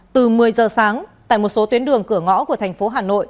từ một mươi giờ sáng tại một số tuyến đường cửa ngõ của tp hcm